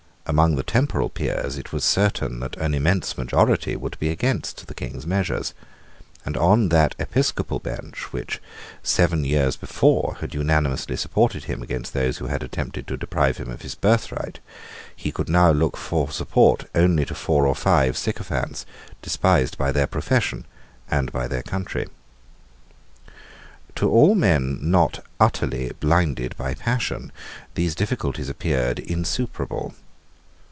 Among the temporal peers it was certain that an immense majority would be against the King's measures: and on that episcopal bench, which seven years before had unanimously supported him against those who had attempted to deprive him of his birthright, he could now look for support only to four or five sycophants despised by their profession and by their country. To all men not utterly blinded by passion these difficulties appeared insuperable.